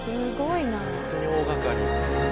本当に大がかり。